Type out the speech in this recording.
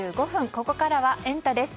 ここからはエンタ！です。